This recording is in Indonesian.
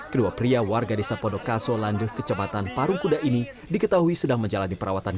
kedua pria warga desa podokaso landeh kecamatan parungkuda ini diketahui sedang menjalani perawatan